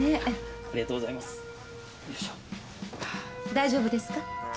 大丈夫ですか？